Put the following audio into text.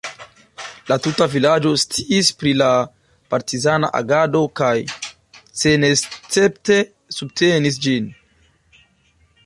La tuta vilaĝo sciis pri la partizana agado kaj senescepte subtenis ĝin.